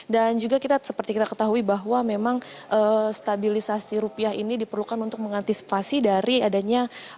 dan juga kita seperti kita ketahui bahwa memang stabilisasi rupiah ini diperlukan untuk mengantisipasi dari adanya